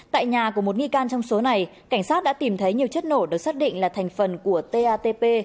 tại nhà của một nghi can trong số này cảnh sát đã tìm thấy nhiều chất nổ được xác định là thành phần của tatp